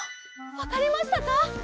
わかりましたか？